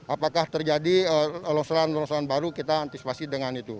apakah terjadi loseran loseran baru kita antisipasi dengan itu